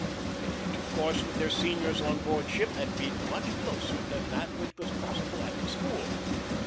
Their intercourse with their seniors on board ship had been much closer than that which was possible at the school.